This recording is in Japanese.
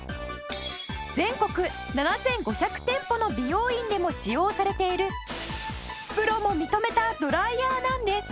全国７５００店舗の美容院でも使用されているプロも認めたドライヤーなんです。